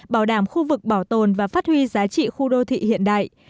bảo đảm khu vực bảo tồn và phát huy giá trị khu đô thị hiện đại